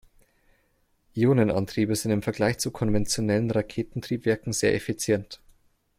Ionenantriebe sind im Vergleich zu konventionellen Raketentriebwerken sehr effizient.